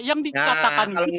yang dikatakan tadi adalah